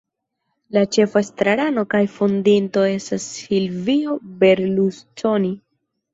La ĉefa estrarano kaj fondinto estas Silvio Berlusconi.